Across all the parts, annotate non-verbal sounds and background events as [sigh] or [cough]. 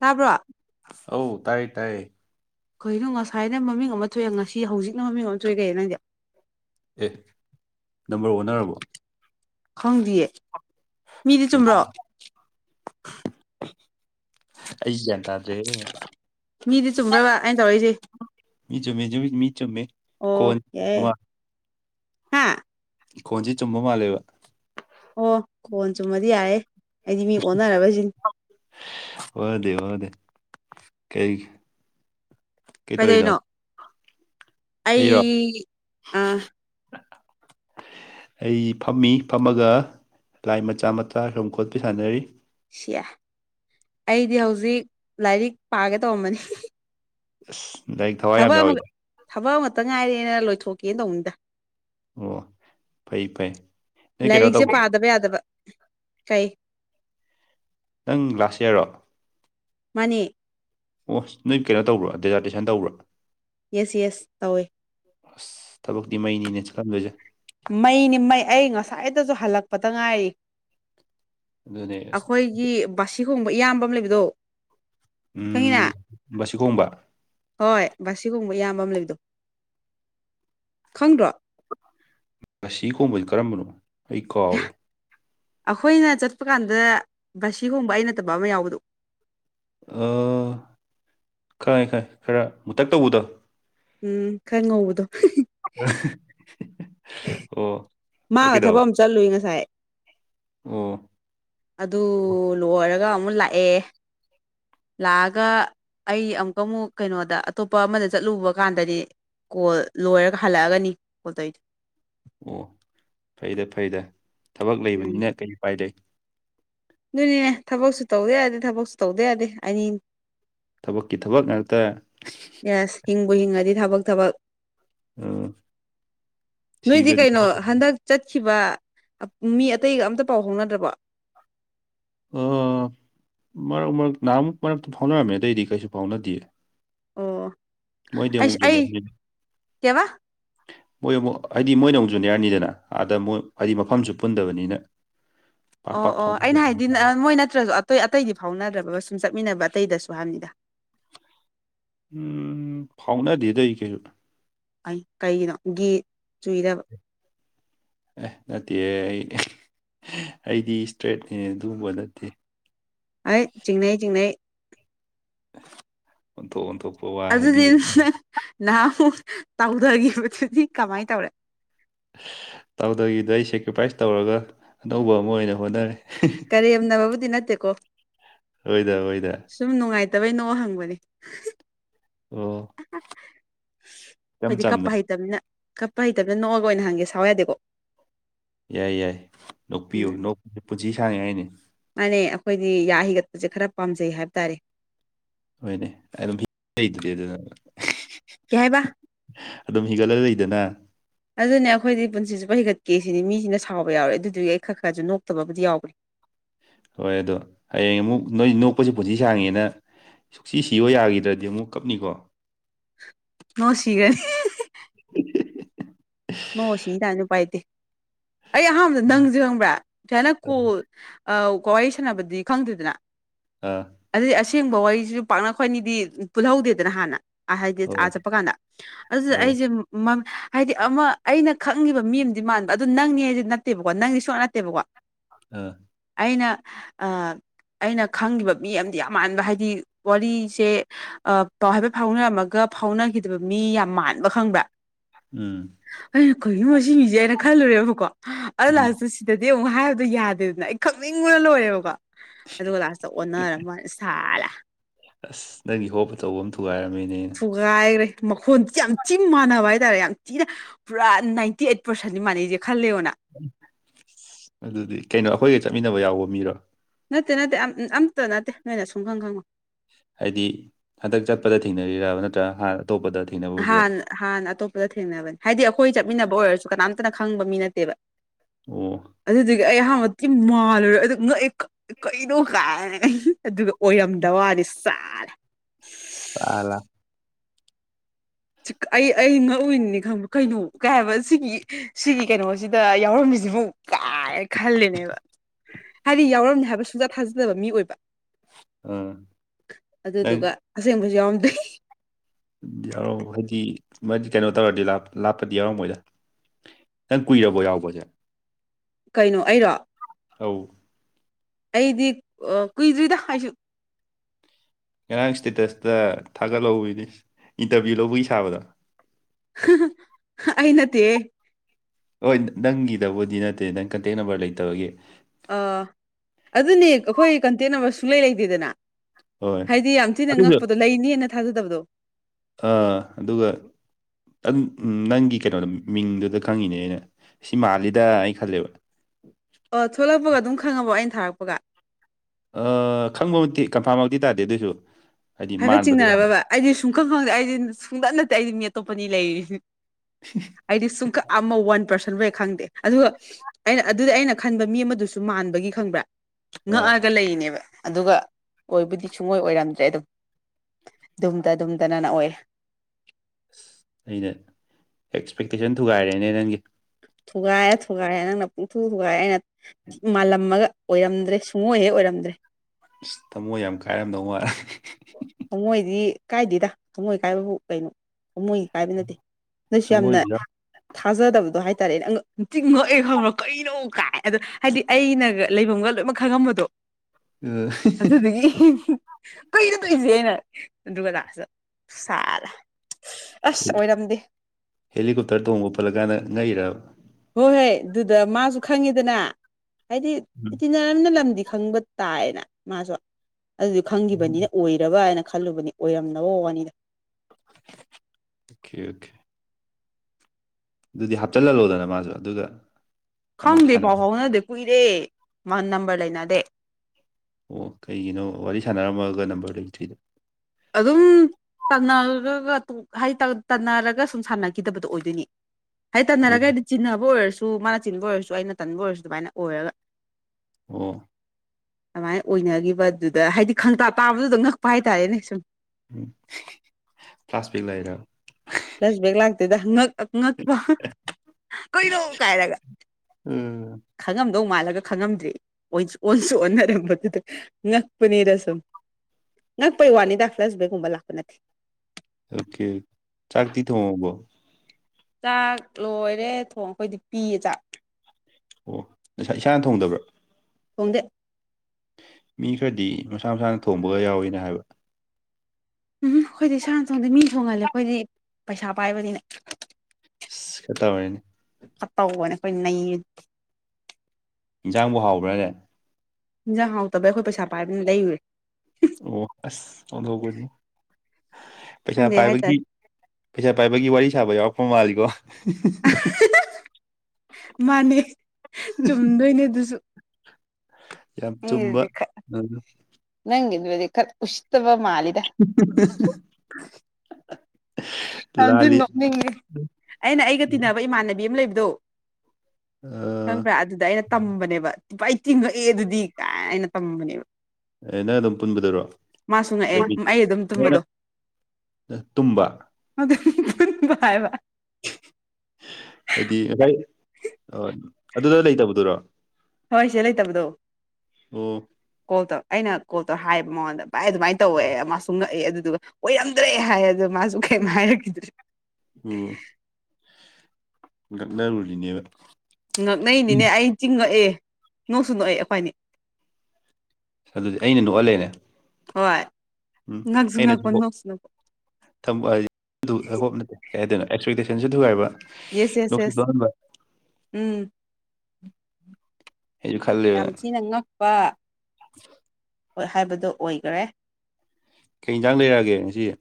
ꯇꯥꯕ꯭ꯔꯣ ꯑꯧ ꯇꯥꯏꯌꯦ ꯇꯥꯏꯌꯦ ꯀꯩꯅꯣ ꯉꯁꯥꯏꯅ ꯃꯃꯤꯡ ꯑꯃ ꯊꯣꯛꯑꯦ ꯉꯁꯤ ꯍꯧꯖꯤꯛꯅ ꯃꯃꯤꯡ ꯑꯃ ꯊꯣꯛꯑꯦ ꯀꯩꯅꯣ ꯅꯪꯒꯤꯁꯦ ꯑꯦ ꯅꯝꯕꯔ ꯑꯣꯟꯅꯔꯕꯣ ꯈꯪꯗꯤꯌꯦ ꯃꯤꯗꯤ ꯆꯨꯝꯕ꯭ꯔꯣ ꯑꯩꯁꯨ ꯒ꯭ꯌꯥꯟ ꯇꯥꯗ꯭ꯔꯦꯍꯦ ꯃꯤꯗꯤ ꯆꯨꯝꯕ꯭ꯔꯕ ꯑꯩꯅ ꯇꯧꯔꯛꯏꯁꯦ ꯃꯤ ꯆꯨꯝꯃꯦ ꯃꯤ ꯆꯨꯝꯃꯦ ꯑꯣ ꯈꯣꯟ ꯌꯥꯌꯦ ꯈꯣꯟꯁꯦ ꯆꯨꯝꯕ ꯃꯥꯜꯂꯦꯕ ꯑꯣ ꯈꯣꯟ ꯆꯨꯝꯃꯗꯤ ꯌꯥꯔꯦ ꯑꯩꯗꯤ ꯃꯤ ꯑꯣꯟꯅꯔꯕ ꯁꯤꯅꯤ ꯋꯥꯗꯦ ꯋꯥꯗꯦ ꯀꯩ ꯀꯩꯇꯧꯔꯤꯅꯣ ꯀꯩꯗꯩꯅꯣ ꯑꯩ ꯑꯥ ꯑꯩ ꯐꯝꯃꯤ ꯐꯝꯃꯒ ꯂꯥꯏ ꯃꯆꯥ ꯃꯆꯥ ꯁꯨꯝ ꯈꯣꯠꯄꯤ ꯁꯥꯟꯅꯔꯤ ꯁꯤꯌꯥ ꯑꯩꯗꯤ ꯍꯧꯖꯤꯛ ꯂꯥꯏꯔꯤꯛ ꯄꯥꯒꯦ ꯇꯧꯔꯝꯕꯅꯤ ꯏꯁ ꯂꯥꯏꯔꯤꯛ ꯊꯋꯥꯏ ꯌꯥꯝ ꯊꯕꯛ ꯑꯃꯒ ꯌꯥꯎꯋꯤꯀꯣ ꯊꯕꯛ ꯑꯃꯇ ꯉꯥꯏꯔꯦꯅ ꯂꯣꯏꯊꯣꯛꯀꯦꯅ ꯇꯧꯅꯤꯗ ꯑꯣ ꯐꯩ ꯐꯩ ꯅꯣꯏ ꯀꯩꯅꯣ ꯂꯥꯏꯔꯤꯛꯁꯦ ꯇꯧꯕ꯭ꯔꯣ ꯄꯥꯗꯕ ꯌꯥꯗꯕ ꯀꯩ ꯅꯪ ꯂꯥꯁ ꯌꯥꯔꯔꯣ ꯃꯥꯟꯅꯦ ꯑꯣ ꯅꯣꯏ ꯀꯩꯅꯣ ꯇꯧꯕ꯭ꯔꯥ ꯗꯦꯖꯥꯔꯇꯦꯁꯟ ꯇꯧꯕ꯭ꯔꯣ ꯌꯦꯁ ꯌꯦꯁ ꯇꯧꯋꯦ ꯑꯁ ꯊꯕꯛꯇꯤ ꯃꯩꯅꯤꯅꯦ ꯈꯟꯗꯣꯏꯁꯦ ꯃꯩꯅꯤ ꯃꯩ ꯑꯩ ꯉꯁꯥꯏꯗꯁꯨ ꯍꯜꯂꯛꯄꯗ ꯉꯥꯏꯔꯤ ꯑꯗꯨꯅꯦ ꯑꯁ ꯑꯩꯈꯣꯏꯒꯤ ꯕꯥꯁꯤꯒꯨꯝꯕ ꯏꯌꯥꯝꯕ ꯑꯃ ꯂꯩꯕꯗꯣ ꯈꯪꯉꯤꯅ ꯎꯝ ꯁꯤ ꯈꯣꯡꯕ ꯍꯣꯏ ꯕꯥꯁꯤꯒꯨꯝꯕ ꯏꯌꯥꯝꯕ ꯑꯃ ꯂꯩꯕꯗꯣ ꯈꯪꯗ꯭ꯔꯣ ꯑꯁꯤ ꯈꯣꯡꯕꯕꯁꯤ ꯀꯔꯝꯕꯅꯣ ꯑꯩ ꯀꯥꯎꯔꯦ ꯑꯈꯣꯏꯅ ꯆꯠꯄ ꯀꯥꯟꯗ ꯕꯥꯁꯤꯈꯣꯡꯕ ꯑꯩ ꯅꯠꯇꯕ ꯑꯃ ꯌꯥꯎꯕꯗꯣ ꯑꯥ ꯈꯪꯉꯦ ꯈꯪꯉꯦ ꯈꯔ ꯃꯨꯇꯛ ꯇꯧꯕꯗꯣ ꯎꯝ ꯈꯔ ꯉꯧꯕꯗꯣ ꯑꯣ ꯃꯥꯥꯡꯒ ꯊꯕꯛ ꯑꯃ ꯆꯠꯂꯨꯏ ꯉꯁꯥꯏ ꯎꯝ ꯑꯗꯨ ꯂꯣꯏꯔꯒ ꯑꯃꯨꯛ ꯂꯥꯛꯑꯦ ꯂꯥꯛꯑꯒ ꯑꯩ ꯑꯃꯨꯛꯀ ꯑꯃꯨꯛ ꯀꯩꯅꯣꯗ ꯑꯇꯣꯞꯄ ꯑꯃꯗ ꯆꯠꯂꯨꯕ ꯀꯥꯟꯗꯗꯤ ꯀꯣꯜ ꯂꯣꯏꯔꯒ ꯍꯜꯂꯛꯑꯒꯅꯤ ꯄꯣꯠꯠꯇꯩꯗꯨ ꯑꯣ ꯐꯩꯗ ꯐꯩꯗ ꯊꯕꯛ ꯎꯝ ꯂꯩꯕꯅꯤꯅ ꯀꯔꯤ ꯄꯥꯏꯗ ꯑꯗꯨꯅꯤꯅꯦ ꯊꯕꯛꯁꯨ ꯇꯧꯗ ꯌꯥꯗꯦ ꯊꯕꯛꯁꯨ ꯇꯧꯗ ꯌꯥꯗꯦ ꯑꯩꯅꯤ ꯊꯕꯛꯀꯤ ꯊꯕꯛ ꯉꯥꯛꯇ ꯌꯦꯁ ꯍꯤꯡꯕꯨ ꯍꯤꯡꯉꯗꯤ ꯊꯕꯛ ꯊꯕꯛ ꯎꯝ ꯅꯣꯏꯗꯤ ꯁꯤꯚꯔꯗꯤ ꯀꯩꯅꯣ ꯊꯕꯛ ꯍꯟꯗꯛ ꯆꯠꯈꯤꯕ ꯃꯤ ꯑꯇꯩꯒ ꯑꯝꯇ ꯄꯥꯎ ꯐꯥꯎꯅꯗ꯭ꯔꯕꯣ ꯃꯔꯛ ꯃꯔꯛ ꯅꯍꯥꯟꯃꯨꯛ ꯃꯔꯛꯇ ꯐꯥꯎꯅꯔꯝꯃꯦ ꯑꯗꯩꯗꯤ ꯀꯩꯁꯨ ꯐꯥꯎꯅꯗꯌꯦ ꯑꯣ ꯑꯩꯁ ꯑꯩ ꯖꯨꯅꯤꯌꯔꯅꯤꯅ ꯀꯦꯕ ꯃꯣꯏ ꯑꯃꯨꯛ ꯍꯥꯏꯗꯤ ꯃꯣꯏꯅ ꯑꯃꯨꯛꯁꯨꯨꯅꯤꯌꯥꯔꯅꯤꯗꯅ ꯑꯥꯗꯣꯏ ꯍꯥꯏꯗꯤ ꯃꯐꯝꯁꯨ ꯄꯨꯟꯗꯕꯅꯤꯅ [inaudible] ꯄꯥꯛ ꯑꯣ ꯄꯥꯛ ꯑꯣ ꯑꯩꯅ ꯐꯥꯎꯅꯗꯕꯅꯤ ꯍꯥꯏꯗꯤ ꯃꯣꯏ ꯅꯠꯇ꯭ꯔꯁꯨ ꯑꯇꯩ ꯑꯇꯩꯗꯤ ꯐꯥꯎꯅꯗ꯭ꯔꯕꯒ ꯁꯨꯝ ꯆꯠꯃꯤꯟꯅꯕ ꯑꯇꯩꯗꯁꯨ ꯍꯥꯟꯅꯤꯗ ꯎꯝ ꯐꯥꯎꯅꯗꯦꯗꯩ ꯀꯩꯁꯨ ꯑꯩ ꯀꯩꯒꯤꯅꯣ ꯒꯤꯒꯦ ꯆꯨꯏꯗꯕ ꯑꯦ ꯅꯠꯇꯦ ꯑꯩ ꯑꯩꯗꯤ ꯏꯁꯇ꯭ꯔꯦꯠꯅꯦ ꯑꯗꯨꯒꯨꯝꯕ ꯅꯠꯇꯦ ꯍꯥꯏ ꯆꯤꯡꯩ ꯆꯤꯡꯩ ꯑꯣꯟꯊꯣꯛ ꯑꯣꯟꯊꯣꯛꯄ ꯋꯥ ꯑꯗꯨꯗꯤ ꯍꯥꯏꯕꯤꯔ ꯅꯪ ꯅꯍꯥꯟꯃꯨꯛ ꯇꯧꯊꯈꯤꯕꯗꯨꯗꯤ ꯀꯃꯥꯏꯅ ꯇꯧꯔꯦ ꯇꯥꯎꯒꯤꯗ ꯑꯩ ꯁꯦꯀ꯭ꯔꯤꯐꯥꯏꯁ ꯇꯧꯔꯒ ꯑꯅꯧꯕ ꯑꯃ ꯑꯣꯏꯅ ꯍꯣꯠꯅꯔꯦ ꯀꯔꯤ ꯌꯥꯝꯅꯕꯕꯨꯗꯤ ꯅꯠꯇꯦꯀꯣ ꯑꯣꯏꯗ ꯑꯣꯏꯗ ꯁꯨꯝ ꯅꯨꯡꯉꯥꯏꯇꯕꯩꯅꯣ ꯍꯪꯕꯅꯦ ꯑꯣ ꯏꯆꯝ ꯑꯩꯈꯣꯏꯗꯤ ꯆꯝꯅ ꯀꯞꯄ ꯍꯩꯇꯕꯅꯤꯅ ꯀꯞꯄ ꯍꯩꯇꯕꯅ ꯅꯣꯛꯑꯒ ꯑꯣꯏꯅ ꯍꯪꯒꯦ ꯁꯥꯎꯋꯥ ꯌꯥꯗꯦꯀꯣ ꯌꯥꯏ ꯌꯥꯏ ꯅꯣꯛꯄꯤꯌꯨ ꯎꯝ ꯅꯣꯛꯄꯁ ꯄꯨꯟꯁꯤ ꯁꯥꯡꯉꯦ ꯍꯥꯏꯅꯤ ꯃꯥꯅꯦ ꯑꯩꯈꯣꯏꯗꯤ ꯌꯥ ꯍꯩꯒꯠꯄꯁꯦ ꯈꯔ ꯄꯥꯝꯖꯩ ꯍꯥꯏꯕ ꯇꯥꯔꯦ ꯍꯣꯏꯅꯦ ꯑꯩ ꯑꯗꯨꯝ ꯍ ꯂꯩꯗꯨꯗꯤ ꯑꯗꯨꯅ ꯀ ꯍꯥꯏꯕ ꯑꯗꯨꯝ ꯍꯤꯒꯠꯂ ꯂꯩꯗꯅ ꯑꯗꯨꯅꯦ ꯑꯩꯈꯣꯏꯗꯤ ꯄꯨꯟꯁꯤꯁꯨ ꯄꯩꯒꯠꯀꯦ ꯁꯤꯅꯤ ꯃꯤꯁꯤꯅ ꯁꯥꯎꯕ ꯌꯥꯎꯔꯦ ꯑꯗꯨꯗꯨꯒꯤ ꯑꯩ ꯈꯔ ꯈꯔꯁꯨ ꯅꯣꯛꯇꯕꯕꯨꯗꯤ ꯌꯥꯎꯕ꯭ꯔꯔꯤ ꯍꯣꯏ ꯑꯗꯣ ꯍꯌꯦꯡ ꯑꯃꯨꯛ ꯅꯣꯏ ꯅꯣꯛꯄꯁꯤ ꯄꯨꯟꯁꯤ ꯁꯥꯡꯉꯦꯅ ꯁꯤ ꯁꯤꯌꯣ ꯌꯥꯈꯤꯗ꯭ꯔꯗꯤ ꯑꯃꯨꯛ ꯀꯞꯅꯤꯀꯣ [unintelligible] [inaudible] ꯅꯣꯡ ꯁꯤ ꯇꯥꯏ ꯎꯄꯥꯏ ꯂꯩꯇꯦ ꯑꯩ ꯑꯍꯥꯟꯕꯗ ꯅꯪꯁꯨ ꯈꯪꯕ꯭ꯔꯥ ꯁꯥꯏꯅ ꯀꯣꯜ ꯑ ꯋꯥꯔꯤꯋꯥꯏ ꯁꯥꯟꯅꯕꯗꯤ ꯈꯪꯗꯦꯗꯅ ꯑꯥ ꯑꯗꯨꯗꯤ ꯑꯁꯦꯡꯕ ꯋꯥꯔꯤꯁꯤꯁꯨ ꯄꯥꯛꯅ ꯈ꯭ꯋꯥꯏꯅꯤꯗꯤ ꯄꯨꯜꯍꯧꯗꯦꯗꯅ ꯍꯥꯟꯅ ꯑ ꯍꯥꯏꯗꯤ ꯑꯥ ꯍꯣꯏ ꯆꯠꯄ ꯀꯥꯟꯗ ꯑꯗꯨꯗ ꯑꯧ ꯑꯩꯁꯦ ꯍꯥꯏꯗꯤ ꯑꯃ ꯑꯩꯅ ꯈꯪꯉꯤꯕ ꯃꯤ ꯑꯃꯗꯤ ꯃꯥꯟꯕ ꯑꯗꯨ ꯅꯪꯅꯤ ꯍꯥꯏꯁꯦ ꯅꯠꯇꯦꯕꯀꯣ ꯅꯪꯗꯤ ꯁꯨꯛ ꯅꯠꯇꯦꯕꯀꯣ ꯑ ꯑꯩꯅ ꯑ ꯑꯩꯅ ꯈꯪꯕ ꯃꯤ ꯑꯃꯗꯤ ꯌꯥꯝ ꯃꯥꯟꯕ ꯍꯥꯏꯗꯤ ꯋꯥꯔꯤꯁꯦ ꯑ ꯄꯥꯎ ꯍꯥꯏꯐꯦꯠ ꯐꯥꯎꯅꯔꯝꯃꯒ ꯐꯥꯎꯅꯈꯤꯗꯕ ꯃꯤ ꯌꯥꯝ ꯃꯥꯟꯕ ꯈꯪꯕ꯭ꯔꯥ ꯎꯝ ꯑꯩꯅ ꯀꯒꯨꯝꯕ ꯁꯤ ꯃꯤꯁꯦ ꯍꯥꯏꯅ ꯈꯜꯂꯨꯔꯦꯕꯀꯣ ꯑꯗ ꯎꯝ ꯂꯥꯛꯑꯁꯤꯁꯤ ꯁꯤꯗꯗꯤ ꯑꯃꯨꯛ ꯍꯥꯏꯕꯗꯣ ꯌꯥꯗꯦꯗꯅ ꯑꯩ ꯈꯪꯅꯤꯡꯉꯅ ꯂꯣꯏꯔꯦꯕꯀꯣ ꯑꯗꯨꯒ ꯂꯥꯁꯇ ꯑꯣꯟꯅꯔ ꯃꯥꯅꯤ ꯁꯥꯔꯦꯂ ꯑꯁ ꯅꯪꯒꯤ ꯍꯣꯞꯄ ꯇꯧꯕ ꯑꯃ ꯊꯨꯒꯥꯏꯔꯝꯃꯤꯅꯦꯅ ꯊꯨꯒꯥꯏꯈ꯭ꯔꯦ ꯃꯈꯣꯟꯁꯤ ꯌꯥꯝ ꯊꯤ ꯃꯥꯟꯅꯕ ꯍꯥꯏꯇꯥꯔꯦ ꯌꯥꯝ ꯊꯤꯅ ꯄꯨꯔꯥ ꯅꯥꯏꯟꯇꯤ ꯑꯩꯠ ꯄꯥꯔꯁꯦꯟꯗꯤ ꯃꯥꯟꯅꯩꯁꯦ ꯈꯂꯒ ꯌꯦꯡ ꯑꯣꯅꯥ ꯑꯗꯨꯗꯤ ꯀꯩꯅꯣ ꯑꯩꯈꯣꯏꯒ ꯆꯠꯃꯤꯟꯅꯕ ꯌꯥꯎꯕ ꯃꯤꯔꯣ ꯅꯠꯇꯦ ꯅꯠꯇꯦ ꯑꯝꯇ ꯅꯠꯇꯦ ꯅꯣꯏꯅ ꯁꯨꯝ ꯈꯪ ꯈꯪꯉꯣꯏ ꯍꯥꯏꯗꯤ ꯍꯟꯗꯛ ꯆꯠꯄꯗ ꯊꯦꯡꯅꯔꯤ ꯅꯠꯇ꯭ꯔꯒ ꯍꯥꯟꯅ ꯑꯇꯣꯞꯄꯗ ꯊꯦꯡꯅꯕ ꯑꯣꯏꯗꯣꯏꯔꯣ ꯍꯥꯟ ꯍꯥꯟꯅ ꯑꯇꯣꯞꯄꯗ ꯊꯦꯡꯅꯕꯅꯦ ꯍꯥꯏꯗꯤ ꯑꯩꯈꯣꯏ ꯆꯠꯃꯤꯟꯅꯕ ꯑꯣꯏꯔꯁꯨ ꯀꯅꯥꯝꯇꯅ ꯈꯪꯕ ꯃꯤ ꯅꯠꯇꯦꯕ ꯑꯣ ꯑꯗꯨꯗꯨꯗꯒꯤ ꯑꯩ ꯑꯍꯥꯟꯕꯤ ꯃꯥꯜꯂꯨꯔꯣꯏ ꯑꯗꯨ ꯉꯛꯑ ꯀꯩꯅꯣ ꯀꯥꯏ ꯑꯗꯨꯒ ꯑꯣꯏꯔꯝꯁꯋꯥꯅꯤ ꯁꯂꯥ ꯁꯂ꯭ꯥ ꯑꯩ ꯑꯩ ꯉꯛꯑꯣꯏꯔꯤꯅꯦ ꯈꯪꯕ ꯀꯩꯅꯣ ꯀꯩ ꯍꯥꯏꯕ ꯁꯤꯒꯤ ꯁꯤꯒꯤ ꯀꯩꯅꯣꯁꯤꯗ ꯌꯥꯎꯔꯝꯃꯤꯁꯤꯕꯨ ꯀꯥꯏ ꯈꯂꯦꯅꯦꯕ ꯍꯥꯏꯗꯤ ꯌꯥꯎꯔꯝꯅꯤ ꯍꯥꯏꯕ ꯁꯨꯡꯖꯥ ꯊꯥꯖꯗꯕ ꯃꯤ ꯑꯣꯏꯕ ꯑꯥ ꯅꯪ ꯑꯗꯨꯗꯨꯒ ꯑꯁꯦꯡꯕꯁꯨ ꯌꯥꯎꯔꯝꯗ꯭ꯔꯦ ꯌꯥꯎꯔꯝꯃ ꯍꯥꯏꯗꯤ ꯃꯗꯤ ꯀꯩꯅꯣ ꯇꯧꯔꯗꯤ ꯂꯥꯞꯄꯗꯤ ꯌꯥꯎꯔꯝꯃꯣꯏꯗ ꯅꯪ ꯀꯨꯏꯔꯕ ꯌꯥꯎꯕꯁꯦ ꯀꯩꯅꯣ ꯑꯩꯔꯣ ꯑꯧ ꯑꯩꯗꯤ ꯀꯨꯏꯗ꯭ꯔꯤꯗ ꯑꯩꯁꯨ ꯉꯔꯥꯡ ꯏꯁ꯭ꯇꯦꯇꯁꯇ ꯊꯥꯒꯠꯍꯧꯏꯅꯦ ꯏꯟꯇꯔꯚꯤꯌꯨ ꯂꯧꯕꯒꯤ ꯁꯥꯕꯗꯣ ꯍꯥ ꯍꯥ ꯑꯩ ꯅꯠꯇꯦꯍꯦ ꯍꯣꯏ ꯅꯪꯒꯤꯗꯕꯨꯗꯤ ꯅꯠꯇꯦ ꯅꯪ ꯀꯟꯇꯦꯛ ꯅꯝꯕꯔ ꯂꯩꯇꯕꯒꯤ ꯑ ꯑꯗꯨꯅꯤ ꯑꯩꯈꯣꯏ ꯀꯟꯇꯦꯛ ꯅꯝꯕꯔ ꯁꯨꯡꯂꯩ ꯂꯩꯇꯦꯗꯅ ꯍꯣꯏ ꯍꯥꯏꯗꯤ ꯌꯥꯝ ꯊꯤꯅ ꯑꯗꯨꯒ ꯉꯛꯄꯗꯣ ꯂꯩꯅꯦꯅ ꯊꯥꯖꯗꯕꯗꯣ ꯑꯥ ꯑꯗꯨꯒ ꯑꯗꯨꯝ ꯅꯪꯒꯤ ꯀꯩꯅꯣꯗꯣ ꯃꯤꯡꯗꯨꯗ ꯈꯪꯉꯤꯅꯦ ꯑꯩꯅ ꯁꯤ ꯃꯥꯜꯂꯤꯗ ꯑꯩ ꯈꯜꯂꯦꯕ ꯑꯣ ꯊ ꯊꯣꯛꯂꯛꯄꯒ ꯑꯗꯨꯝ ꯈꯪꯉꯕꯣ ꯑꯩꯅ ꯊꯥꯔꯛꯄꯒ ꯈꯪꯕꯃꯛꯇꯤ ꯀꯟꯐꯥꯔꯝ ꯃꯛꯇꯤ ꯇꯥꯗꯦ ꯑꯗꯨꯑꯣꯏꯁꯨ ꯍꯥꯏꯕꯠ ꯆꯤꯡꯅꯔꯕꯕꯥ ꯑꯩꯗꯤ ꯁꯨꯡꯈꯪ ꯈꯪꯗꯦ ꯑꯩꯗꯤ ꯁꯨꯡꯇꯞ ꯅꯠꯇꯦ ꯑꯩꯗꯤ ꯃꯤ ꯑꯇꯣꯞꯄꯅꯤ ꯂꯩꯔꯤꯅꯤ [unintelligible] ꯑꯩꯗꯤ ꯁꯨꯡꯀꯛ ꯑꯃ ꯋꯥꯟ ꯄꯥꯔꯁꯟ ꯐꯥꯎ ꯈꯪꯗꯦ ꯑꯗꯨꯒ ꯑꯩꯅ ꯑꯗꯨꯗꯤ ꯑꯩꯅ ꯈꯟꯕ ꯃꯤ ꯑꯃꯗꯨꯁꯨ ꯃꯥꯟꯕꯒꯤ ꯈꯪꯕ꯭ꯔꯥ ꯑꯥ ꯉꯛꯑꯒ ꯂꯩꯅꯦꯕ ꯑꯗꯨꯒ ꯑꯣꯏꯕꯨꯗꯤ ꯁꯨꯛ ꯑꯣꯏ ꯑꯣꯏꯔꯝꯗ꯭ꯔꯦ ꯑꯗꯨꯝ [unintelligible] ꯑꯣꯏꯔꯦ ꯑꯩꯅ ꯑꯦꯛꯁꯄꯦꯛꯇꯦꯁꯟ ꯊꯨꯒꯥꯏꯔꯦꯅꯦ ꯅꯪꯒꯤ ꯊꯨꯒꯥꯏꯔꯦ ꯊꯨꯒꯥꯏꯔꯦ ꯅꯪꯅ ꯄꯨꯡꯊꯨ ꯊꯨꯒꯥꯏꯔꯦ ꯑꯩꯅ ꯃꯥꯜꯂꯝꯃꯒ ꯑꯣꯏꯔꯝꯗ꯭ꯔꯦ ꯁꯨꯡꯑꯣꯏ ꯍꯦꯛ ꯑꯣꯏꯔꯝꯗ꯭ꯔꯦ ꯊꯃꯣꯏ ꯌꯥꯝ ꯀꯥꯏꯔꯝꯗꯧ ꯃꯥꯜꯂꯦ ꯊꯣꯡꯃꯣꯏꯗꯤ ꯀꯥꯏꯗꯦꯗ ꯊꯣꯡꯃꯣꯏ ꯀꯥꯏꯕꯕꯨ ꯀꯩꯅꯣ ꯊꯣꯡꯃꯣꯏ ꯀꯥꯏꯕ ꯅꯠꯇꯦ ꯅꯣꯏꯁꯨ ꯌꯥꯝꯅ ꯊꯃꯣꯏꯕꯨ ꯌꯥꯝ ꯊꯥꯖꯗꯕꯗꯣ ꯍꯥꯏꯇꯥꯔꯦꯅꯦ ꯅꯪ ꯆꯤꯡꯉꯛꯑꯦ ꯈ ꯀꯩꯅꯣ ꯀꯥꯏ ꯑꯗꯣ ꯍꯥꯏꯗꯤ ꯑꯩꯅꯒ ꯂꯩꯐꯝꯒ ꯂꯣꯏꯃꯛ ꯈꯪꯉꯝꯕꯗꯣ ꯑ, ꯑꯗꯨꯗꯒꯤ ꯀ ꯇꯨꯏꯁꯦꯩꯅ ꯑꯗꯨꯒ ꯂꯁꯨ ꯁꯥꯔ ꯑꯁ ꯑꯣꯏꯔꯝꯗꯦ ꯍꯦꯂꯤꯀꯣꯞꯇꯔ ꯇꯣꯡꯕ ꯄꯨꯜꯠꯂꯀꯥꯟꯗ ꯉꯛꯏꯔꯕ ꯍꯣꯏ ꯍꯣꯏ ꯑꯗꯨꯗ ꯃꯥꯁꯨ ꯈꯪꯉꯤꯗꯅ ꯍꯥꯏꯗꯤ ꯏ ꯎꯝ. ꯇꯤꯅꯔꯃꯤꯅꯥ ꯂꯝꯗꯤ ꯈꯪꯕ ꯇꯥꯏꯅ ꯃꯥꯁꯨ ꯑꯗꯨꯗꯤ ꯈꯪꯈꯤꯕꯅꯤꯅ ꯑꯣꯏꯔꯕ ꯍꯥꯏꯅ ꯈꯜꯂꯨꯕꯅꯤ ꯑꯣꯏꯔꯝꯗꯕꯩ ꯋꯥꯅꯤꯗ ꯑꯣꯀꯦ ꯑꯣꯀꯦ ꯑꯗꯨꯗꯤ ꯍꯥꯞꯆꯤꯜꯍꯜꯂꯣꯗꯅ ꯃꯥꯁꯨ ꯑꯗꯨꯒ ꯑꯃꯨꯛ ꯈꯪꯗꯦ ꯄꯥꯎ ꯁꯥꯟꯅꯕ ꯐꯥꯎꯅꯗꯦ ꯀꯨꯏꯔꯦ ꯃꯥ ꯅꯝꯕꯔ ꯂꯩꯅꯗꯦ ꯑꯣ ꯀꯩꯒꯤꯅꯣ ꯋꯥꯔꯤ ꯁꯥꯟꯅꯔꯝꯃꯒ ꯅꯝꯕꯔ ꯂꯩ ꯊ꯭ꯔꯤꯗꯣ ꯑꯗꯨꯝ ꯇꯅꯔꯒ ꯍꯥꯏꯗꯤ ꯇꯅꯔꯒ ꯁꯨꯝ ꯁꯥꯟꯅꯈꯤꯗꯕꯗꯣ ꯑꯣꯏꯗꯣꯏꯅꯤ ꯍ ꯑꯣ ꯇꯟꯅꯔꯒꯗꯤ ꯆꯤꯟꯅꯕ ꯑꯣꯏꯔꯁꯨ ꯃꯥꯅ ꯆꯤꯟꯕ ꯑꯣꯏꯔꯁꯨ ꯑꯩꯅ ꯇꯟꯕ ꯑꯣꯏꯔꯁꯨ ꯑꯗꯨꯃꯥꯏꯅ ꯑꯣꯏꯔꯒ ꯑꯣ ꯑꯗꯨꯃꯥꯏꯅ ꯑꯣꯏꯅꯈꯤꯕꯗꯨꯗ ꯍꯥꯏꯗꯤ ꯈꯪꯇꯥ ꯇꯥꯕꯗꯨꯗ ꯉꯛꯄ ꯍꯥꯏꯇꯥꯔꯦꯅꯦ ꯁꯨꯝ ꯎ ꯄ꯭ꯂꯥꯁꯄꯛ ꯂꯔ ꯀꯦꯁꯕꯦꯛ ꯂꯥꯛꯇꯦꯗꯛꯄ ꯀꯣꯏꯔꯣ ꯀꯥꯏꯔꯒ ꯎꯝ ꯈꯪꯉꯝꯗꯧ ꯃꯥꯜꯂꯒ ꯈꯪꯉꯝꯗ꯭ꯔꯦ ꯑꯣꯟꯁꯨ ꯑꯣꯟꯅꯔꯝꯕꯗꯨꯗ ꯉꯛꯄꯅꯤꯔꯁꯝ ꯉꯛꯄꯩ ꯋꯥꯅꯤ ꯗꯥꯛꯂꯁꯨꯕꯩꯒꯨꯝꯕ ꯂꯥꯛꯄ ꯅꯠꯇꯦ ꯑꯣꯀꯦ ꯆꯥꯛꯇꯤ ꯊꯣꯡꯉꯕꯣ ꯆꯥꯛ ꯂꯣꯏꯔꯦ ꯊꯣꯡ ꯑꯩꯈꯣꯏꯗꯤ ꯄꯤꯌꯦ ꯆꯥꯛ ꯑꯣ ꯉꯁꯥꯏ ꯏꯁꯥꯅ ꯊꯣꯡꯗꯕ꯭ꯔꯥ ꯇꯣꯗ ꯃꯤ ꯈꯔꯗꯤ ꯃꯁꯥ ꯃꯁꯥꯅ ꯊꯣꯡꯕꯒ ꯌꯥꯎꯋꯅ ꯍꯥꯏꯕ ꯎꯝ ꯑꯩꯈꯣꯏꯗꯤ ꯁꯥꯥꯅ ꯁꯣꯡꯗ ꯃꯤ ꯊꯣꯡꯍꯜꯂꯦ ꯑꯩꯈꯣꯏꯗꯤ ꯄꯩꯁꯥ ꯄꯥꯏꯕꯅꯤꯅꯦ ꯑ ꯈꯛꯇ ꯑꯣꯏꯅꯤ ꯐ ꯇꯧꯕꯅꯦ ꯑꯩꯈꯣꯏ ꯅꯩ ꯏꯟꯖꯥꯡꯕꯨ ꯍꯥꯎꯕ꯭ꯔꯅꯦ ꯍꯤꯟꯖꯥꯡ ꯍꯥꯎꯇꯕꯩ ꯑꯩꯈꯣꯏ ꯄꯩꯁꯥ ꯄꯥꯏꯗꯅ ꯂꯩꯔꯨꯔꯦ ꯑꯣ ꯑꯁ ꯑꯣꯟꯊꯣꯛꯧꯕꯅꯤ ꯄꯩꯁꯥ ꯈꯪꯗꯦ ꯄꯥꯏꯕꯒꯤ ꯍꯥꯏꯇꯥꯔꯦ ꯄꯩꯁꯥ ꯄꯥꯏꯕꯒꯤ ꯋꯥꯔꯤ ꯁꯥꯕ ꯌꯥꯎꯔꯛꯄ ꯃꯥꯜꯂꯤꯀꯣ ꯃꯥꯅꯦ ꯆꯨꯝꯗꯣꯏꯅꯦ ꯑꯗꯨꯁꯨ ꯌꯥꯝ ꯆꯨꯝꯕ ꯏꯗꯤ ꯈ ꯎꯝ, ꯅꯪꯗꯗꯤ ꯈꯔ ꯎꯁꯕ ꯃꯥꯜꯗ [inaudible] ꯂꯥꯜꯂꯤ ꯉꯣꯛꯅꯤꯡꯉ ꯑꯩꯅ ꯑꯩꯒ ꯇꯤꯟꯅꯕ ꯏꯃꯥꯟꯅꯕꯤ ꯑꯃ ꯂꯩꯕꯗꯣ ꯑ ꯈꯪꯕ꯭ꯔꯥ ꯑꯗꯨꯗ ꯑꯩꯅ ꯇꯝꯕꯅꯦꯕ ꯇꯐꯥꯏ ꯇꯤꯡꯉꯛꯑꯦ ꯑꯗꯨꯗꯤ ꯀꯥꯏ ꯑꯅ ꯇꯝꯕꯅꯦꯕ ꯑꯦ ꯅꯪ ꯑꯗꯨꯝ ꯄꯨꯟꯕꯗꯨꯔꯣ ꯃꯥꯁꯨ ꯉꯛꯑꯦ ꯑꯩ ꯑꯗꯨꯝ ꯇꯨꯝꯕꯗꯣ ꯅ ꯇꯨꯝꯕ ꯃ ꯑꯗꯨ ꯕꯥ ꯏ ꯍꯥꯏꯗꯤ ꯉꯁꯥꯏ ꯑꯗꯨꯗ ꯂꯩꯇꯕꯗꯨꯔꯣ ꯍꯣꯏ ꯁꯤꯗ ꯂꯩꯇꯕꯗꯣ ꯑꯣ ꯀꯣꯜ ꯇꯧꯔ ꯑꯩꯅ ꯀꯣꯜ ꯇꯧꯔ ꯍꯥꯏꯌꯦꯕ ꯃꯉꯣꯟꯗ ꯚꯥꯏ ꯑꯗꯨꯃꯥꯏꯅ ꯇꯧꯋꯦ ꯃꯥ ꯁꯨꯡ ꯉꯛꯏꯦ ꯑꯗꯨꯗꯨꯒ ꯑꯣꯏ ꯌꯥꯝꯗ꯭ꯔꯦ ꯍꯥꯏ ꯑꯗꯣ ꯃꯥꯁꯨ ꯀꯩꯝ ꯍꯥꯏꯔꯛꯈꯤꯗ꯭ꯔꯦ ꯑꯣ ꯅꯔꯨꯔꯤꯅꯦꯕ ꯉꯛꯅꯩꯅꯤꯅꯦ ꯑꯩ ꯆꯤꯡꯉꯛꯑꯦ ꯅꯣꯡꯁꯨ ꯅꯣꯛꯑꯦ ꯑꯩꯕꯥꯅꯤ ꯑꯗꯨꯗꯤ ꯑꯩꯅ ꯅꯣꯛꯍꯜꯂꯦꯅꯦ ꯍꯣꯏ ꯉꯛꯁꯨ ꯉꯛꯄ ꯅꯣꯛꯁꯨ ꯅꯁ ꯊꯗꯤ ꯍꯞ ꯅꯗꯦ ꯀꯩ ꯍꯥꯏꯗꯅꯣ ꯑꯦꯛꯁꯄꯦꯛꯇꯦꯁꯟꯁꯨ ꯊꯨꯒꯥꯏꯕ ꯌꯦꯁ ꯌꯦꯁ ꯅꯣꯛꯁꯨ ꯌꯦꯁ ꯅꯣꯛꯍꯟꯕ ꯎꯝ ꯑꯩꯁꯨ ꯈꯜꯂꯦꯕ ꯌꯥꯝ ꯊꯤꯅ ꯉꯛꯄ ꯍꯥꯏꯕꯗꯨ ꯑꯣꯏꯈꯔꯦ ꯀꯩ ꯌꯦꯟꯖꯥꯡ ꯂꯩꯔꯛꯑꯒꯦ ꯉꯁꯤꯁꯦ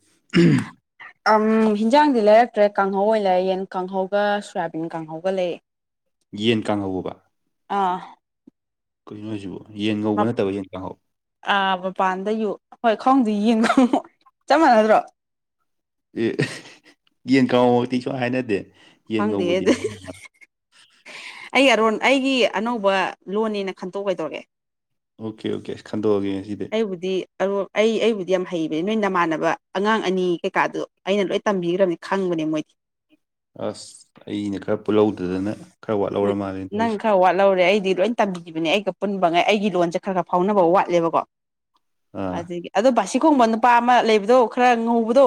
ꯍꯤꯟꯖꯥꯡꯗꯤ ꯂꯩꯔꯛꯇ꯭ꯔꯦ ꯀꯥꯡꯍꯧ ꯑꯣꯏꯅ ꯂꯩ ꯌꯦꯟ ꯀꯥꯡꯍꯧꯒ ꯁꯣꯌꯥꯕꯤꯟ ꯀꯥꯡꯍꯧꯒ ꯂꯩ [inaudible] ꯌꯦꯟ ꯀꯥꯡꯍꯧꯕꯕ ꯑꯥ ꯀꯅꯣꯣꯏꯁꯤꯕꯨ ꯌꯦꯡ ꯉꯧꯕ ꯅꯠꯇꯕ ꯌꯦꯟ ꯇꯪꯍꯧ ꯑꯥ ꯃꯄꯥꯟꯗ ꯌꯨ ꯍꯣꯏ ꯈꯣꯡꯁꯦ ꯌꯦꯡꯗ ꯑꯃꯨꯛ ꯆꯞ ꯃꯥꯟꯅꯗ꯭ꯔꯣ ꯑꯦ ꯌꯦꯟ ꯉꯥꯃꯛꯇꯤ ꯁꯨꯡ ꯍꯥꯏꯅꯗꯦ ꯌꯦꯟ ꯈꯪꯗꯦꯍꯦ ꯉꯧꯕꯗꯤ ꯑꯗꯨ ꯑꯩ ꯑꯔꯣꯟ ꯑꯩꯒꯤ ꯑꯅꯧꯕ ꯂꯣꯟꯅꯤꯅ ꯈꯟꯇꯣꯛꯀꯗꯧꯔꯦ ꯑꯣꯀꯦ ꯑꯣꯀꯦ ꯑꯁ ꯈꯟꯗꯣꯛꯑꯒꯦ ꯉꯁꯤꯗꯤ ꯑꯩꯕꯨꯗꯤ ꯑ ꯑꯩ ꯑꯩꯕꯨꯗꯤ ꯌꯥꯝ ꯍꯩꯕꯅꯤ ꯅꯣꯏ ꯅꯃꯥꯟꯅꯕ ꯑꯉꯥꯡ ꯑꯅꯤ ꯀꯩꯀꯥꯗꯨ ꯑꯩꯅ ꯂꯣꯏ ꯇꯝꯕꯤꯈ꯭ꯔꯕꯅꯤ ꯈꯪꯕꯅꯦ ꯃꯣꯏꯗꯤ ꯑꯁ ꯑꯩꯅ ꯈꯔ ꯄꯨꯜꯍꯧꯗꯗꯅ ꯈꯔ ꯋꯥꯠꯍꯧꯔ ꯃꯥꯜꯂꯦ ꯅꯪ ꯇꯧꯔꯤꯁꯦ ꯈꯔ ꯋꯥꯠꯍꯧꯔꯦ ꯑꯩꯗꯤ ꯂꯣꯏ ꯇꯝꯕꯤꯈꯤꯕꯅꯦ ꯑꯩꯒ ꯄꯨꯟꯕ ꯉꯩ ꯑꯩꯒꯤ ꯂꯣꯟꯁꯦ ꯈꯔ ꯈꯔ ꯐꯥꯎꯅꯕ ꯋꯥꯠꯂꯦꯕꯀꯣ ꯑꯥ ꯑꯗꯨꯗꯒꯤ ꯑꯗꯣ ꯕꯥꯁꯤ ꯈꯣꯡꯕ ꯅꯨꯄꯥ ꯑꯃ ꯂꯩꯕꯗꯣ ꯈꯔ ꯉꯧꯕꯗꯣ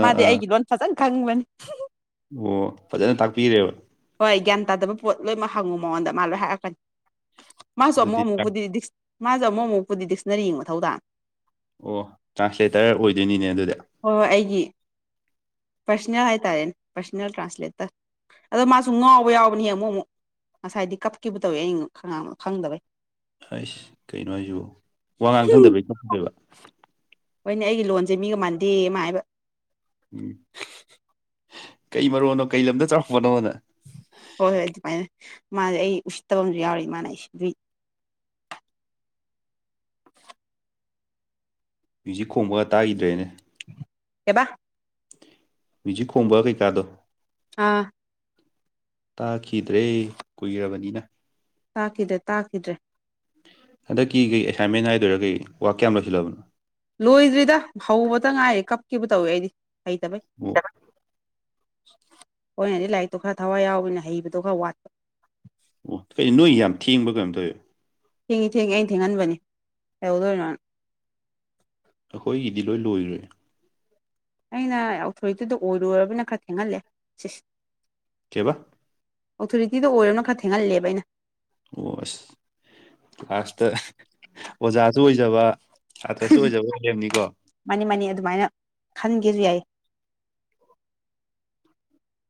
ꯑꯥ ꯃꯥꯗꯤ ꯑꯥ ꯑꯩꯒꯤ ꯂꯣꯟ ꯐꯖꯅ ꯈꯪꯕꯅꯤ ꯑꯣ ꯐꯖꯅ ꯇꯥꯛꯄꯤꯔꯦꯕ ꯍꯣꯏ ꯒ꯭ꯌꯥꯟ ꯇꯥꯗꯕ ꯄꯣꯠ ꯂꯣꯏꯅꯃꯛ ꯍꯪꯉꯨ ꯃꯉꯣꯟꯗ ꯃꯥ ꯂꯣꯏ ꯍꯥꯏꯔꯛꯀꯅꯤ ꯑꯁ ꯃꯥꯁꯨ ꯑꯃꯨꯛ ꯑꯗꯨꯗꯤ ꯇ꯭ꯔꯥꯟ- ꯑꯃꯨꯛꯄꯨꯗꯤ ꯃꯥꯁꯨ ꯑꯃꯨꯛ ꯑꯃꯨꯛꯄꯨꯗꯤ ꯗꯤꯛꯁꯅꯔꯤ ꯌꯦ ꯃꯊꯧ ꯇꯕꯅꯦ ꯑꯣ ꯇ꯭ꯔꯥꯟꯁꯂꯦꯇꯔ ꯑꯣꯏꯗꯣꯏꯅꯤꯅꯦ ꯑꯗꯨꯗꯤ ꯍꯣꯏ ꯍꯣꯏ ꯑꯩꯒꯤ ꯄꯔꯁꯅꯦꯜ ꯍꯥꯏꯇꯥꯔꯦꯅꯦ ꯄꯔꯁꯅꯦꯜ ꯇ꯭ꯔꯥꯟꯁꯂꯦꯇꯔ ꯑꯗꯣ ꯃꯥꯁꯨ ꯉꯥꯎꯕ ꯌꯥꯎꯕꯅꯤꯍꯦ ꯑꯃꯨꯛ ꯑꯃꯨꯛ ꯉꯁꯥꯏꯗꯤ ꯀꯞꯈꯤꯕ ꯇꯧꯋꯦ ꯑꯩ ꯈꯪꯗꯕꯩ ꯍꯁ ꯀꯩꯅꯣ ꯍꯥꯏꯁꯤꯕꯨ ꯋꯥꯉꯥꯡ ꯈꯪꯗꯕꯩ ꯀꯞꯄꯤꯕ ꯍꯣꯏꯅꯦ ꯑꯩꯒꯤ ꯂꯣꯟꯁꯦ ꯃꯤꯒ ꯃꯥꯟꯗꯦ ꯃꯥ ꯍꯥꯏꯕ ꯎꯝ ꯀꯩ ꯃꯔꯣꯟꯅꯣ ꯀꯩ ꯂꯝꯗ ꯆꯥꯎꯔꯛꯄꯅꯣꯗ ꯍꯣꯏ ꯍꯣꯏ ꯑꯗꯨꯃꯥꯏꯅ ꯃꯥꯁ ꯑꯩ ꯎꯁꯤꯠꯇꯕ ꯑꯃꯁꯨ ꯌꯥꯎꯔ ꯃꯥꯅ ꯑꯩ ꯑꯗꯨꯏ ꯃ꯭ꯌꯨꯖꯤꯛ ꯈꯣꯡꯕꯒ ꯇꯥꯈꯤꯗ꯭ꯔꯦꯅꯦ ꯑꯦꯕꯥ ꯃ꯭ꯌꯨꯖꯤꯛ ꯈꯣꯡꯕ ꯀꯩꯀꯥꯗꯣ ꯑꯥ ꯇꯥꯈꯤꯗ꯭ꯔꯦ ꯀꯨꯏꯔꯕꯅꯤꯅ ꯇꯥꯈꯤꯗ꯭ꯔꯦ ꯇꯥꯈꯤꯗ꯭ꯔꯦ ꯍꯟꯗꯛꯀꯤ ꯀꯩ ꯑꯦꯁꯥꯏꯟꯃꯦꯟ ꯍꯥꯏꯗꯣꯏꯔꯥ ꯀꯩ ꯋꯥꯛ ꯀꯌꯥꯝ ꯂꯧꯁꯤꯜꯂꯕꯅꯣ ꯂꯣꯏꯗ꯭ꯔꯤꯗ ꯍꯧꯕꯇ ꯉꯥꯏꯔꯦ ꯀꯞꯈꯤꯕ ꯇꯧꯋꯦ ꯑꯩꯗꯤ ꯍꯩꯇꯕꯩ [inaudible] ꯍꯣꯏ ꯑꯣꯏꯅꯗꯤ ꯂꯥꯏꯔꯤꯛꯇꯣ ꯈꯔ ꯊꯋꯥꯏ ꯌꯥꯎꯕꯅ ꯍꯩꯕꯗꯣ ꯈꯔ ꯋꯥꯠꯄ ꯑꯣ ꯀꯩꯅ ꯅꯣꯏ ꯌꯥꯝ ꯊꯦꯡꯕ ꯀꯩꯅꯝ ꯇꯧꯋ ꯊꯦꯡꯉ ꯊꯦꯡꯉ ꯑꯩꯅ ꯊꯦꯡꯍꯟꯕꯅꯤ ꯀꯩꯍꯧꯗꯣꯏꯅꯣꯅ ꯑꯩꯈꯣꯏꯒꯤꯗꯤ ꯂꯣꯏ ꯂꯣꯏꯔꯦ ꯑꯩꯅ ꯑꯣꯊꯣꯏꯇꯨꯗ ꯑꯣꯏꯔꯨꯔꯕꯅꯤꯅ ꯈꯔ ꯊꯦꯡꯍꯜꯂꯦ ꯁꯤꯁꯦ ꯀꯩꯕ ꯑꯣꯊꯣꯔꯤꯇꯤꯗ ꯑꯣꯏꯔꯣꯅ ꯈꯔ ꯊꯦꯡꯍꯜꯂꯦꯕ ꯑꯩꯅ ꯑꯣ ꯑꯁ ꯂꯥꯁꯇ ꯑꯣꯖꯥꯁꯨ ꯑꯣꯏꯖꯕ ꯁꯥꯇ꯭ꯔꯁꯨ ꯑꯣꯏꯖꯕ ꯑꯣꯏꯔꯦꯝꯅꯤꯀꯣ ꯃꯥꯅꯤ ꯃꯥꯅꯤ ꯑꯗꯨꯃꯥꯏꯅ ꯈꯟꯒꯦꯁꯨ ꯌꯥꯏꯌꯦ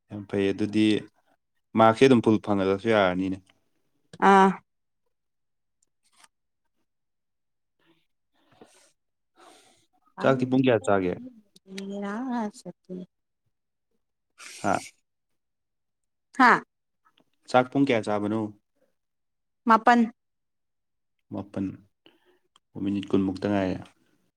ꯌꯥꯝ ꯐꯩ ꯑꯗꯨꯗꯤ ꯃꯥꯔꯛꯁꯦ ꯑꯗꯨꯝ ꯐꯨꯜ ꯐꯪꯍꯜꯂꯁꯨ ꯌꯥꯔꯅꯤꯅꯦ ꯑꯥ ꯆꯥꯛꯇꯤ ꯄꯨꯡ ꯀꯌꯥ ꯆꯥꯒꯦ UNINTELLIGIBLE ꯍꯥꯥ ꯍꯥꯥ ꯆꯥꯛ ꯄꯨꯡ ꯀꯌꯥ ꯆꯥꯕꯅꯣ ꯃꯥꯄꯜ ꯃꯥꯄꯜ ꯃꯤꯅꯤꯠ ꯀꯨꯟꯃꯨꯛꯇ ꯉꯥꯏꯔꯦ